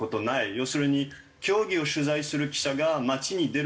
要するに競技を取材する記者が街に出る事はない。